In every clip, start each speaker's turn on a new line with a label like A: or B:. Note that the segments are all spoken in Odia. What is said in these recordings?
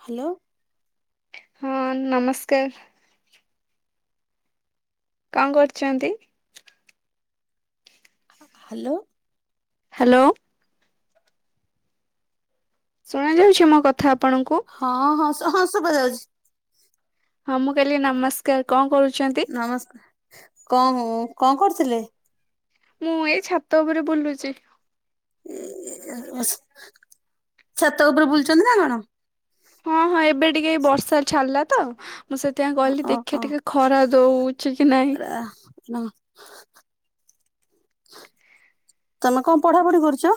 A: ହାଲୋ।
B: ହଁ ନମସ୍କାର। କଣ କରୁଛନ୍ତି?
A: ହାଲୋ।
B: ହାଲୋ। ଶୁଣାଯାଉଛି ମୋ କଥା ଆପଣଙ୍କୁ?
A: ହଁ ହଁ ହଁ ଶୁଭାଯାଉଛି।
B: ହଁ ମୁଁ କହିଲି ନମସ୍କାର। କଣ କରୁଚ୍
A: ନମସ୍କାର। କଣ କଣ କରୁଥିଲେ?
B: ମୁଁ ଏଇ ଛାତ ଉପରେ ବୁଲୁଛି।
A: ଏ ଛାତ ଉପରେ ବୁଲୁଛନ୍ତି ନା କଣ?
B: ହଁ ହଁ ଏବେ ଟିକେ ବର୍ଷା ଛଡିଲା ତ ମୁଁ ସେ ଥିପାଇଁ କହିଲି ଦେଖିବା
A: ଓହୋ
B: ଟିକେ ଖରା ଦୋଉଛି କି ନାହିଁ।
A: ହ ତମେ କଣ ପଢାପଢି କରୁଛ?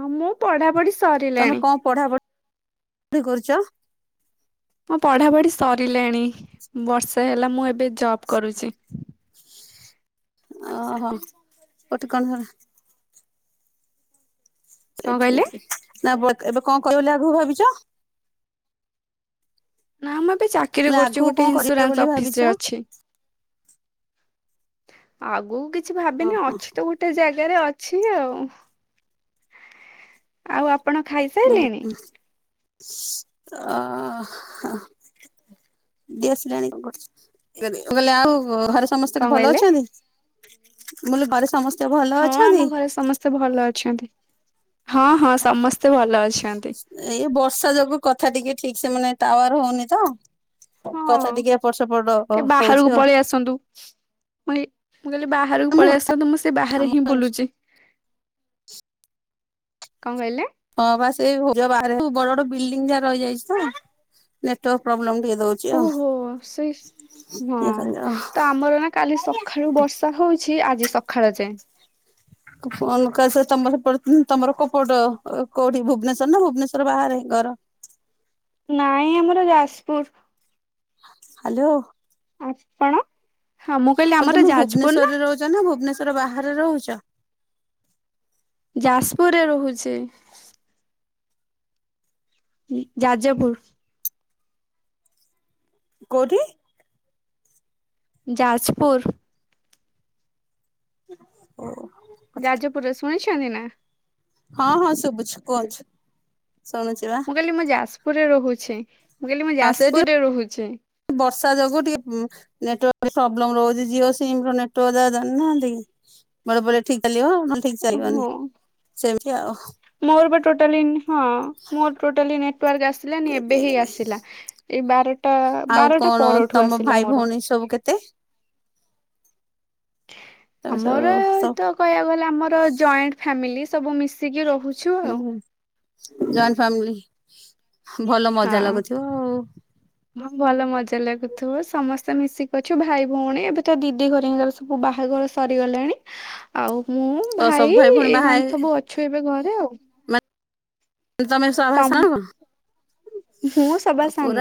B: ହଁ ମୁଁ ପଢା ପଢି ସ
A: ତମେ କଣ ପଢା ପଢିି କରୁଛ?
B: ମୋ ପଢାପଢି ସରିଲାଣି ବର୍ଷେ ହେଲା ମୁଁ ଏବେ ଜବ୍ କରୁଛି।
A: ଓହୋ କୋଠି କଣ [unintelligible]
B: କଣ
A: [unintelligible]
B: କହିଲେ?
A: ନା ଏ ଏବେ କଣ କରିବ ବୋଲି ଆଗକୁ ଭାବିଛ?
B: ନା ମୁଁ ଏବେ ଚାକିରି
A: ବୋଲେ
B: କରୁଛି
A: ଆଗକୁ କଣ
B: ଗୋଟେ
A: କରିବ
B: ଇନ୍ସୁରାନ୍ସ
A: ବୋଲି
B: ଅଫିସ
A: ଭାବିଛ?
B: ରେ ଅଛି। ଆଗକୁ କିଛି ଭାବିନି ଅଛି ତ ଗୋଟେ ଜାଗାରେ ଅଛି ଆଉ। ଆଉ ଆପଣ ଖାଇସାଇଲେଣି?
A: ଅ ହା ମୁ କହିଲି ଆଉ-ଉ-ଉ-ଉ ଘରେ ସବୁ ସମସ୍ତେଙ୍କ
B: କଣ
A: ଭଲ
B: କହିଲେ?
A: ଅଛନ୍ତି, ମୁଁ କହିଲି ଘରେ ସମସ
B: ହଁ ଆମ ଘରେ ସମସ୍ତେ ଭଲ ଅଛନ୍ତି। ହଁ ହଁ
A: କଥା
B: ସମସ୍ତେ ଭଲ ଅଛନ୍ତି।
A: ଏଇ ବର୍ଷା ଯୋଗୁ କଥା ଟିକେ ଠିକ ସେ ମାନେ ଟାୱାର ହଉନି ତ। କଥା
B: ହଁ
A: ଟିକେ ଏପଟ ସେପ
B: ଟିକେ ବାହାରକୁ ପଳେଇ ଆସନ୍ତୁ। ମୁଇ ମୁଁ କହିଲି ବାହାରକୁ
A: ଆମ
B: ପଳେଇ ଆସନ୍ତୁ ମୁଁ ସେ ବାହାରେ
A: ଆମ
B: ହିଁ ବୁଲୁଛି। କଣ କହିଲେ?
A: ହଁ ବା ସେ ବାହ ବଡ ବଡ ବିଲଡିଙ୍ଗ ଯା ରହିଯାଇଛି ତ ନେଟୱାର୍କ ପ୍ରୋବ୍ଲେମ ଟିକେ ଦଉଛି। ଆଉ।
B: ଓହୋ ସେଇ ହଁ
A: ଇଏ କରିବା ଆଉ
B: ତ ଆମର ନା କାଲି ସ ଖାଳୁ ବର୍ଷା ହଉଛି ଆଜି ସଖାଳ ଯାଏଁ।
A: କ [unintelligible] ତମ କୋପଟ କୋଉଠି ଭୁବନେଶ୍ଵର ନା ଭୁବନେଶ୍ଵର ବାହାରେ ଘର?
B: ନାଇଁ ଆମର ଯାଜପୁର।
A: ହ୍ୟାଲୋ।
B: ଆପଣ ହଁ ମୁଁ କହିଲି ଆମର ଯାଜପୁର ନା।
A: ଶ୍ୱର ନା ଭୁବନେଶ୍ୱର୍ ବାହାରେ ରହୁଛ?
B: ଯାଜପୁରରେ ରହୁଛି। ଯାଜପୁର।
A: କୋଉଠି?
B: ଯାଜପୁର।
A: ଓ।
B: ଯାଜପୁରରେ ଶୁଣିଛନ୍ତି ନା?
A: ହଁ ହଁ ଶୁଭୁଛି କୁହନ୍ତୁ। ଶୁଣୁଛି ବା।
B: ମୁଁ କହିଲି ମୁଁ ଯାଜପୁରରେ ରହୁଛି। ମୁଁ କହିଲି ମୁଁ
A: ହଁ ସେଇଠି
B: ଯାଜପୁରରେ ରହୁଛି।
A: ବର୍ଷା ଯୋଗୁ ଟିକେ ଉ ନେଟୱାର୍କ [unintelligible] ପ୍ରୋବ୍ଲେମ ରହୁଛି ଜିଓ ସିମ ର ନେଟୱାର୍କ ଯାହା ଜାଣିନାହାନ୍ତି କି। ବେଳେ ବେଳେ ଠିକ୍ ଚାଲିବ। ନହେଲେ ଠିକ
B: ଓହୋ।
A: ଚାଲିବନି ସେମିତି ଆଉ।
B: ମୋର ବା ଟୋଟାଲି ହଁ ମୋର ଟୋଟାଲି ନେଟୱର୍କ ଆସିଲାନି। ଏବେ ହେଇ ଆସିଲା। ଏଇ ବାରଟା
A: ଆଉ
B: ବାରଟା
A: କଣ
B: ପରଠୁ
A: ତମ
B: ଆସିଲା।
A: ଭାଇ
B: ମୋର।
A: ଭଉଣୀ ସବୁ କେତେ? ତମେ ସବୁ
B: ଆମର-ଅ-ଅ-ଅ
A: ସବୁ
B: ତ କହିବାକୁ ଗଲେ ଆମର ଜଏଣ୍ଟ ଫ୍ୟାମିଲି ସବୁ ମିଶିକି ରହୁଛୁ। ଆଉ।
A: ହୁଁ ଜଏଣ୍ଟ ଫ୍ୟାମିଲି ଭଲ
B: ହଁ।
A: ମଜା ଲାଗୁଥିବ ଆଉ।
B: ହଁ ଭଲ ମଜା ଲାଗୁଥିବ ସମସ୍ତେ ମିଶିକି ଅଛୁ ଭାଇ ଭଉଣୀ ଏବେ ତ ଦିଦି ଘରିକାଙ୍କର ସ ସବୁ ବାହାଘର ସରିଗଲାଣି ଆଉ ମୁଁ
A: ତ ସବୁ
B: ଭାଇ
A: ଭଉଣୀ ବାହା ହେଇ
B: ଏଇମାନେ ସବୁ ଅ ଛୁ ଏବେ ଘରେ ଆଉ।
A: ତମେ ସଭା ସାନ?
B: ମୁଁ ସବା ସାନ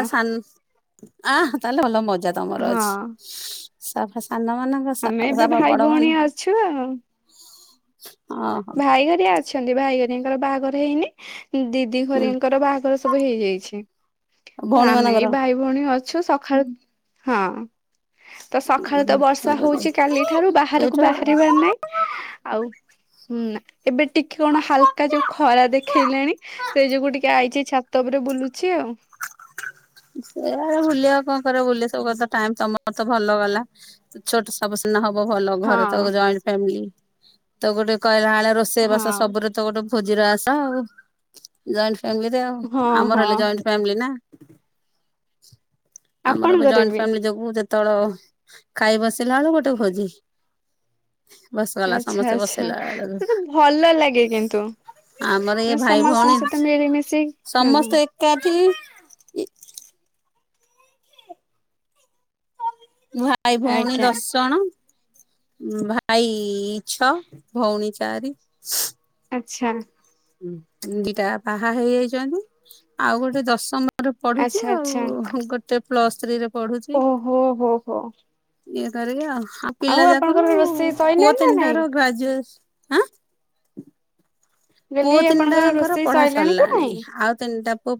A: ଆହ୍ ତାହେଲେ ଭଲ ମଜା ତମର ଅଛି।
B: ହଁ।
A: ସଭା ସାନ ମାନଙ୍କ
B: ଆମେ ଏବେ
A: [unintelligible]
B: ଭାଇ
A: ବଡ
B: ଭଉଣୀ
A: ମାନଙ୍କ
B: ଅଛୁ
A: ହଁ।
B: ଭାଇଘରିଆ ଅଛନ୍ତି ଭାଇଘରିଆଙ୍କର ବାହାଘର ହେଇନି। ଦି ଦି ଘରିଆ ଙ୍କର ବାହାଘର ସବୁ ହେଇଯାଇଛି। ତ
A: ଭଉଣୀ
B: ଆମେ ଏଇ
A: ମାନଙ୍କର
B: ଭାଇ ଭଉଣୀ ଅଛୁ ସକାଳୁ ହଁ। ତ ସଖାଳୁ
A: ସେଇଠୁ
B: ତ ବର୍ଷା ହଉଛି କାଲି ଠାରୁ ବାହାରକୁ ବାହାରିବାର ନାହିଁ। ଆଉ ନା। ଏବେ ଟିକେ କଣ ହାଲକା ଯୋଉ ଖରା ଦେଖେଇଲାଣି ସେ ଯୋଗୁ ଟିକେ ଆଇଛି ଛାତ ଉପରେ ବୁଲୁ ଛି ଆଉ।
A: ସେଆ ବୁଲିବା କଣ କରିବା ବୁଲିବା ସବୁ କଥା ଟାଇମ୍ ତମର ତ ଭଲ ଗଲା। ଛୋଟ ସବୁ ସିନା ହବ ଭଲ ଘରେ ତ
B: ହଁ
A: ଜଏଣ୍ଟ ଫ୍ୟାମିଲି ତ ଗୋଟେ କହିଲା ବ [unintelligible] ସେ ବର୍ଷ
B: ହଁ
A: ସବୁରେ ତ ଗୋଟେ ଭୋଜିର ଆଶା ଆଉ ଜଏଣ୍ଟ ଫ୍ୟାମିଲିରେ ଆଉ
B: ହଁ
A: ଆମର ହେଲେ
B: ହଁ
A: ଜଏଣ୍ଟ ଫ୍ୟାମିଲି ନା ଆମର ବି ଜଏଣ୍ଟ ଫ୍ୟାମିଲି ଯୋଗୁ ଯେତେବେଳେ ଖାଇ ବସିଲା ବେଳୁ ଗୋଟେ ଭୋଜି ବସି ଗଲା
B: ଆଚ୍ଛା
A: ସମସ୍ତେ
B: ଆଚ୍ଛା।
A: ବସେଇଲା ଆ
B: ସେତ ଭଲ ଲାଗେ କିନ୍ତୁ
A: ଆମର ଏ
B: ମାନେ
A: ଭାଇ
B: ସମସ୍ତଙ୍କ
A: ଭଉଣୀ
B: ସହିତ ମିଳିମିଶି ହଁ।
A: ସମସ୍ତେ ଏକାଠି ଭାଇ ଭଉଣୀ
B: ଆଜ୍ଞା
A: ଦଶ ଜଣ ଭାଇ ଛଅ ଭଉଣୀ ଚାରି
B: ଆଛା।
A: ଦିଟା ବାହା ହେଇଯାଇଛନ୍ତି ଆଉ ଗୋଟେ ଦଶମ ମୋର ପଢୁଛି
B: ଆଚ୍ଛା ଆଚ୍ଛା
A: ଆଉ ଗୋଟେ ପ୍ଲସ୍ ଥ୍ରୀରେ ପଢୁଛି
B: ଓହୋ ହୋ ହୋ।
A: ଇଏ କରିକି ଆଉ ଆଉ ପିଲା ଯାକରୁ
B: ଆପଣଙ୍କର ରୋଷେଇ
A: ପୁଅ
B: ସଇଲାଣି ନା
A: ତିନିଟା
B: ନାଇଁ?
A: ର ଗ୍ରାଜୁଏସଁ ଆଁ
B: ମୁଁ
A: ପୁଅ
B: କହିଲି ଆପଣଙ୍କର
A: ତିନିଟାଙ୍କର
B: ରୋଷେଇ
A: ପଢା
B: ସଇଲାଣି କି ନାଇଁ?
A: ସରିଲାଣି ଆଉ ତିନିଟା ପୁଅ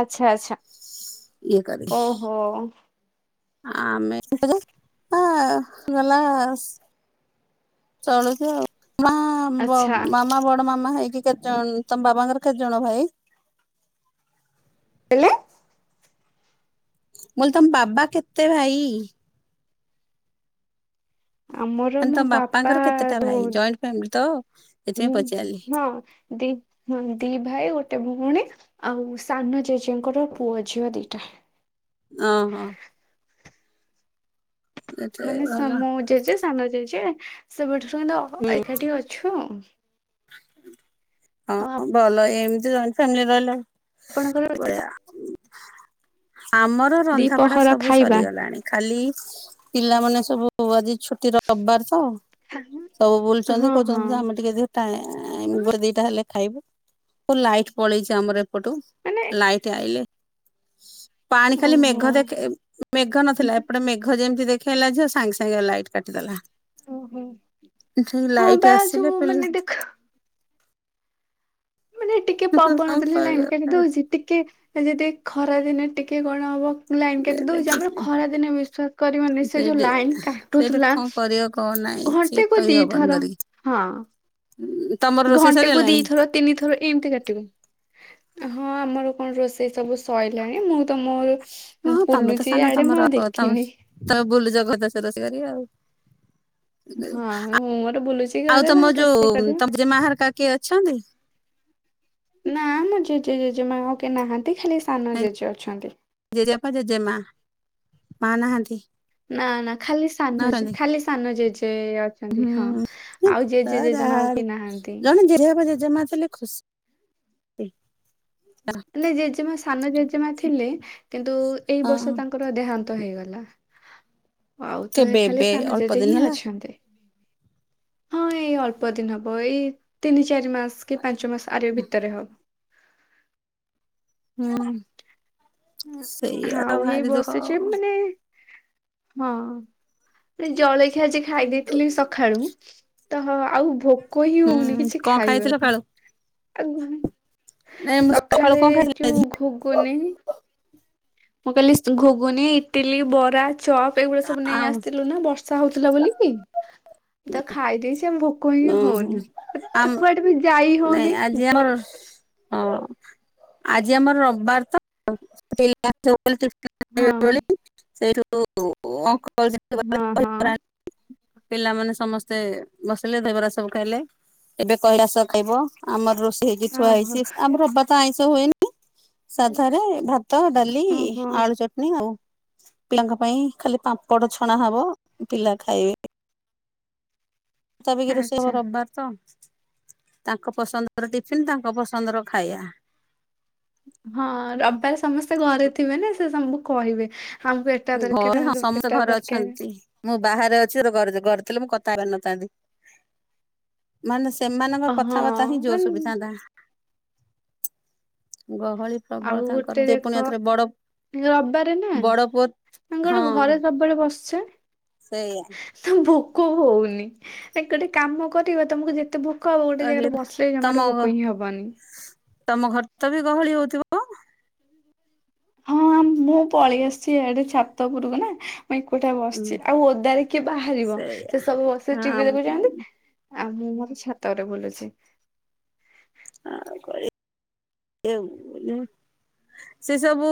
B: ଆଚ୍ଛା ଆଚ୍ଛା
A: ଇଏ
B: ଓହୋ
A: [unintelligible] ଆମେ [unintelligible] ଅ ଗଲା ଚଳୁଛି ଆଉ ମା
B: ଆଚ୍ଛା
A: ମାମା ବଡ ମାମା ହେଇକି କେତେ ଜଣ ତମ ବାବାଙ୍କର କେତେ ଜଣ ଭାଇ
B: ହେଲେ
A: ମୁ କହିଲି ତମ ବାବା କେତେ ଭାଇ?
B: ଆମର
A: ମାନେ
B: ମୋ
A: ତମ
B: ବାପା
A: ବାପାଙ୍କର କେତେଟା
B: ର
A: ଭାଇ ଜଏଣ୍ଟ ଫ୍ୟାମିଲି ତ ସେଥିପାଇଁ ପଚାରିଲି
B: ହଁ ଦି ହଁ ଦି ଭାଇ ଗୋଟେ ଭଉଣୀ ଆଉ ସାନ ଜେଜେଙ୍କର ପୁଅ ଝିଅ ଦିଟା
A: ଅଁ ହଁ। ଏତେ
B: ମାନେ ସା
A: ଭଲ।
B: ମୁଁ ଜେଜେ ସାନ ଜେଜେ ସେବେଠୁ ଏକାଠି ଅଛୁ ଆଉ ଆଉ
A: ହଁ ଭଲ ଏମିତି ଜଏଣ୍ଟ ଫାମିଲି ରହିଲେ
B: ଆପଣଙ୍କର
A: ଵଢିଆ ଆମର
B: ଦି
A: ରନ୍ଧାପଢା
B: ପହର
A: ସବୁ
B: ଖାଇବା
A: ସରିଗଲାଣି କାଲି ପିଲାମାନେ ସବୁ ଆଜି ଛୋଟ ତିର ରବିବାର ତ ସବୁ
B: ହଁ
A: ବୁଲଛନ୍ତି
B: ହଁ
A: କହୁଛନ୍ତି ବ ଆମେ ଟିକେ ଦେ ଗୋଟେ ଦିଟା ହେଲେ ଖାଇବେ ଲାଇଟ ପଳେଇଛି ଆମର ଏପଟୁ
B: ମାନେ
A: ଲାଇଟ୍ ଟି ଆଇଲେ ପାଣି ଖାଲି
B: ଓହୋ
A: ମେଘ ଦେଖ ମେଘ ନଥିଲା ଏପଟେ ମେଘ ଯେମତି ଦେଖ ଥେଲା ଯେ ସାଙ୍ଗେ ସାଙ୍ଗେ ଲାଇଟ୍ କାଟିଦେଲା
B: ଓହୋ
A: ଯେ
B: ହଁ
A: ଲାଇଟ୍
B: ବା
A: ଆସିଲେ
B: ଯୋଉ
A: ପିଲା
B: ମାନେ ଦେଖ ମାନେ ଟିକେ
A: କଣ
B: ପବନଦେଲେ ଲାଇନ
A: କରିବା
B: କାଟି ଦଉଛି ଟିକେ ଯଦି ଖରା ଦିନେ ଟିକେ କଣ ହବ ଲାଇନ କାଟି
A: ସେଇଟା
B: ଦଉଛି ଆମର
A: କିଛି
B: ଖରା ଦିନେ ବିଶ୍ଵାସ କରିବନି ସେ ଯୋଉ
A: ସେଇଠି
B: ଲାଇନ
A: ସେଇଠି
B: କାଟୁଥିଲା
A: କଣ କରିବ କଣ ନାହିଁ [unintelligible]
B: ଘଣ୍ଟେ
A: ହେଇଚି
B: କୁ
A: କହି ହବନି
B: ଦିଥର
A: ଧରି
B: ହଁ।
A: ତମର ରୋଷେଇ ସାରିଗଲାଣି?
B: ତିନି ଥର ଏମତି କାଟିବୁ ହଁ ଆମର କଣ ରୋଷେଇ ସବୁ ସଇଲାଣି ମୁଁ ତ ମୋର
A: ହଁ ତମେ ତ
B: ବୁଲୁଛି
A: ସାନ
B: ଇଆଡେ
A: ତମର
B: ମୁଁ ଆଉ
A: ତମେ
B: ଦେଖିନି
A: ତମେ ବୁଲୁଛ [unintelligible] ଘ ଦସ ରସ କରି [unintelligible] ଆଉ
B: ହଁ ମୁଁ ମୋର ବୁଲୁଛି
A: ଆଉ
B: ଘରେ
A: ତମର
B: ତାଙ୍କ ରୋଷେଇ
A: ଯୋଉ
B: କରିବା
A: ତମ ଯେ ମା ହେରିକା କିଏ ଅଛନ୍ତି?
B: ନା ଆମ ଜେଜେ ଜେଜେମାଁ ଆଉ କେହି ନାହାନ୍ତି ଖାଲି ସାନ ଜେଜେ ଅଛନ୍ତି।
A: ଜେଜେବାପା ଜେଜେମା ମା ନାହାନ୍ତି?
B: ନା ନା ଖାଲି
A: ନା
B: ସାନ
A: ଅଛନ୍ତି?
B: ଖାଲି ସାନ ଜେଜେ ଅଛନ୍ତି ହଁ।
A: ହୁଁ
B: ଆଉ
A: ତ
B: ଜେଜେ
A: ଯାହା
B: ଜେଜେମା ଆଉ କିଏ ନାହାନ୍ତି।
A: ଜଣେ ଜେଜେବାପା ଜେଜେ ଜେଜେ ମା ଥିଲେ ଖୁସି
B: ନେ ଜେଜେମା ସାନ ଜେଜେମା ଥିଲେ କିନ୍ତୁ ଏଇ
A: ହଁ
B: ବର୍ଷ ତା ଙ୍କର ଦେହାନ୍ତ ହେଇଗଲା। ଆଉ ତ ଏ
A: କେବେ
B: ଖାଲି
A: ଏବେ
B: ସାନ
A: ଅଳ୍ପ
B: ତଜେ
A: ଦିନ
B: ହିଁ
A: ହେଲା
B: ଅଛନ୍ତି। ହଁ ଏଇ ଅଳ୍ପ ଦିନ ହବ ଏଇ ତିନି ଚାରି ମାସ କି ପାଞ୍ଚ ମାସ ଆର ଭିତରେ ହବ।
A: ହୁଁ। ସେଇଆ ତ
B: ହଁଉ ଏଇ
A: ଭାରି ଦୁଃଖ ଆଉ।
B: ବସିଛି ମାନେ ହଁ ସେ ଜଳଖିଆ ଆଜି ଖାଇ ଦେଇେଇଥିଲି ସକାଳୁ। ତ ହ ଆଉ ଭୋକ ହିଁ
A: ହୁଁ
B: ହଉନି କିଛି
A: କଣ ଖାଇଥିଲ
B: ଖାଇବାକୁ।
A: ସକାଳୁ
B: ଆଉ
A: ନାଇଁ ମୁଁ ସକାଳୁ
B: ସକାଳେ
A: କଣ ଖାଇଥିଲି ଆଜି
B: ଯୋଉ ଘୋଗୁନି ମୁଁ କାଲି ଘୁଗୁନି ଇଟିଲି ବରା ଚପ୍ ଏଗୁରା ସବୁ ନେଇ
A: ଆଉ
B: ଆସିଥିଲୁ ନା ବର୍ଷା ବର୍ଷା ହଉଥିଲା ବୋଲି କି? ତ ଖାଇଦେଇଚି ସେ ଭୋକ ହି
A: ଉଁ
B: ହଉନି
A: ହୁଁ
B: ତ କୁଆଡେ ବି ଯାଇ ହଉନି।
A: ମର ରୋଷ ଅଉ ଆଜି ଆମର ରବିବାର ତ
B: ହଁ
A: [inaudible] ସେଠୁ [inaudible]
B: ହଁ ହଁ।
A: ରାତି ପିଲାମାନେ ସମସ୍ତେ ବସିଲେ ଧେବରା ସବୁ ଖାଇଲେ ଏବେ କୈଳାସ ଖାଇବ। ଆମର ରୋଷେଇ ହେଇକି ଥୁଆ
B: ଓହୋ
A: ହେଇଛି ଆମର ରବାର ତ ଆଇଁଷ ହୁଏନି ସାଧାରେ ଭାତ ଡାଲି
B: ଓହୋ
A: ଆଳୁ ଚଟଣିୀ ଆଉ ପିଲାଙ୍କ ପାଇଁ ଖାଲି ପାମ୍ପଡ଼ ଛଣା ହବ। ପିଲା ଖାଇବେ। ତା ବି ଗିରୋଷେଇ
B: ଆଚ୍ଛା।
A: ଘର ରବାର। ତ ତାଙ୍କ ପସନ୍ଦର ଟିଫିନ ତାଙ୍କ ପସନ୍ଦର ଖାଇବା।
B: ହଁ ରବିବାର ସମସ୍ତେ ଘରେ ଥିବେ ନା ସେ ସବୁ କହିବେ ଆମକୁ ଏଟା ଦରକାର
A: ଘରେ ହଁ
B: ଆମକୁ
A: ସମସ୍ତେ
B: ସେଟା
A: ଘରେ
B: ଦରକାର
A: ଅଛନ୍ତି ମୁଁ ବାହାରେ ଅଛିରେ ଘରେ ଦେଥିଲେ ମୁଁ କଥା ହେଇପାରିନଥାନ୍ତି। ମାନେ ସେମାନଙ୍କ
B: ହଁ
A: କଥାବାର୍ତ୍ତା ହିଁ ଜୋର
B: ମାନେ
A: ସୁବିଥା ନ୍ତା। ଗହଳି
B: ଆଉ
A: ସବୁବେଳେ
B: ଗୋଟେ
A: ତାଙ୍କର ସେ
B: ଦେଖ
A: ପୁଣି ଆଉଥରେ ବଡ ବଡ ପୁଅ
B: ତାଙ୍କୁ ଗୋଟେ
A: ହଁ
B: ଘରେ ସବୁବେଳେ
A: ସେଇଆ
B: ବସଛେ। ଭୋକ ହଉନି ଏ ଗୋଟେ କାମ କରିବା ତମକୁ ଯେତେ ଭୋକ ଭୋକ ହବ ଗୋଟେ ଜାଗାରେ ବସିଲେ
A: ତମ
B: ଜମାରୁ ଭୋକ ହିଁ ହବନି।
A: ତମ ଘର ତ ବି ଗହଳି ହଉଥିବ।
B: ହଁ ମୁଁ ପଳେଇ ଆସିଛି ଏଆଡେ ଛାତ ଉପରକୁ ନା। ମୁଇଁ କୋଟିଆ
A: ହୁଁ
B: ବସିଛି ଆଉ ଓଦାରେ କିଏ ବାହାରିବ
A: ସେଇଆ
B: ସେ ସବୁ ବସି ଟିଭି
A: ହଁ
B: ଦେଖୁଛନ୍ତି। ଆ ମୁଁ ମୋର ଛାତରେ ବଲୁଛି।
A: ଆଉ କଣ? ଏ ସେ ସବୁ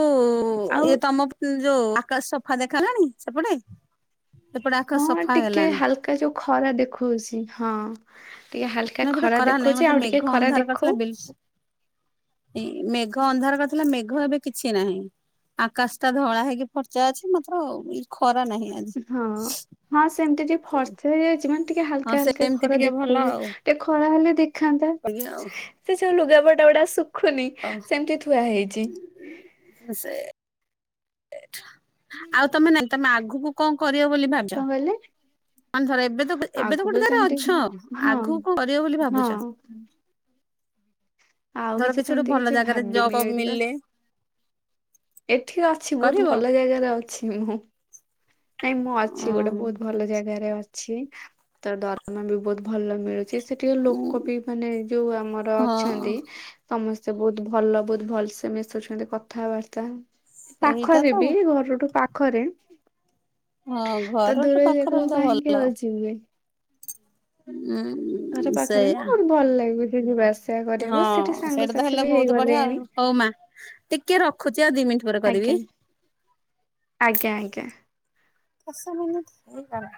B: ଆଉ
A: ଇଏ ତମ ଯୋଉ ଆକାଶ ସଫା ଦେଖା ହେଲାଣି ସେପଟେ। ସେପଟେ ଆକାଶ
B: ହଁ
A: ସଫା
B: ଟିକେ
A: ହେଲାଣି
B: ହାଲକା ଯୋଉ ଖରା ଦେଖଉଛି ହଁ। ଟିକେ ହାଲକା
A: ନା ଏପଟେ
B: ଖରା
A: ନାହିଁ
B: ଦେଖଉଛି
A: ମତେ
B: ଆଉ
A: ମେଘ
B: ଟିକେ ଖରା
A: ଅନ୍ଧାର କରିଥିଲା
B: ଦେଖଉ
A: ବିଲକୁଲ ମେଘ ଅନ୍ଧାର କରିଥିଲା ମେଘ ଏବେ କିଛି ନାହିଁ। ଆକାଶ ଟା ଧଳା ହେଇକି ଫର୍ଚ୍ଚା ଅଛି ମାତ୍ର ଇ ଖରା ନାହିଁ। ଆଜି
B: ହଁ ହଁ ସେମିତି ଟିକେ ଫର୍ ଥ୍ରୀ ଯଇଛି ମାନେ ଟିକେ
A: ହଁ
B: ହାଲକା ହାଲକା
A: ସେମିତି
B: ଖରା
A: ଟିକେ ଭଲ
B: ଦେଖଉଚି।
A: ଆଉ।
B: ଏ ଖରା ହେଲେ ଦେଖାନ୍ତା ସେ ଯୋଉ ଲୁଗାପଟା ଗୁଡା ଶୁଖୁନି
A: ଆଉ
B: ସେମିତି ଥୁ ଥୁଆ ହେଇଚି।
A: ସେ ଆଉ ତମେ ନାଇଁ ତମେ ଆଗକୁ କଣ କରିବ ବୋଲି ଭାବ
B: କଣ କହିଲେ?
A: ଏବେ ତ ଗୋଟେ
B: ଆଗକୁ
A: ଜାଗାରେ
B: ସେମିତି
A: ଅଛ
B: ହଁ
A: ଆଗକୁ କଣ କରିବ ବୋଲି ଭାବୁଛ?
B: ହଁ। ଆଉ
A: ଧର
B: କିଛି
A: ଗୋଟେ
B: ସେମିତି
A: ଭଲ
B: କିଛି
A: ଜାଗାରେ ଜବ୍
B: ଭାବିନି
A: ଫବ୍
B: ଏଇଠି ତ
A: ମିଳିଲେ
B: ଏଠି ଅଛି ବହୁତ
A: କରିବ?
B: ଭଲ ଜାଗାରେ ଅଛି ମୁଁ। ନାଇଁ ମୁଁ ଅଛି ଗୋଟେ ବହୁତ ଭଲ ଜାଗାରେ ଅଛି। ତ ଦରମା ବି ବହୁତ ଭଲ ମିଳୁଛି। ସେଠିକା
A: ଉଁ
B: ଲୋକ ବି ମାନେ ଯୋଉ ଆମର
A: ହଁ
B: ଅଛନ୍ତି ସମସ୍ତେ ବୋହୁତ୍ ଭଲ। ବୋହୁତ୍ ଭଲସେ ମିଶୁଛନ୍ତି କଥାବାର୍ତ୍ତା
A: ସେଇଟା ତ
B: ପାଖରେ ବି ଘରଠୁ ପାଖରେ
A: ହଁ ଘରଠୁ ପାଖରେ ହେଲେ ତ ଭଲ।
B: ଚିୟେ
A: ହୁଁ।
B: ଘର ପାଖରେ ନା ଆହୁରି ଭଲ ଲାଗିବ ଯିବା ଆସିବା
A: ହଁ
B: କରିବାକୁ ସେଠି
A: ସେଇଟା ତ
B: ସାଙ୍ଗସାଥି
A: ହେଲେ
B: ବି
A: ବୋହୁତ୍ ବଢିଆ ଆଉ।
B: ହେଇଗଲେଣି
A: ହଉ ମା ଟିକେ ରଖୁଛି ଆଉ ଦି ମିନିଟ ପରେ
B: ଆଜ୍ଞା
A: କରିବି।
B: ଆଜ୍ଞା ଆଜ୍ଞା।
A: ବର୍ଷା ଦିନେ ହେଇ କାର